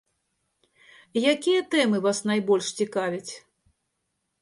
Якія тэмы вас найбольш цікавяць?